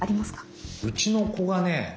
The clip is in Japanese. うちの子がね